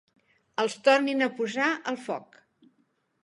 Els tornin a posar al foc.